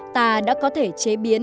ta đã có thể chế biến